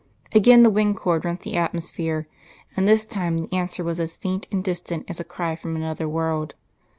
Again the wind chord rent the atmosphere; and this time the answer was as faint and distant as a cry from another world.